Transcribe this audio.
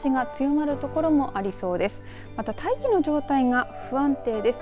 また、大気の状態が不安定です。